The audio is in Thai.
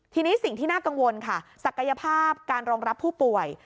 ทีนี้สิ่งที่น่ากังวลค่ะศักยภาพการรองรับผู้ป่วย